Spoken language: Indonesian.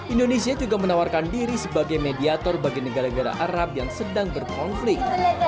indonesia juga menawarkan diri sebagai mediator bagi negara negara arab yang sedang berkonflik